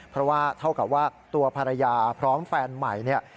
เพราะว่าเท่ากับว่าตัวภรรยาพร้อมแฟนใหม่เนี่ย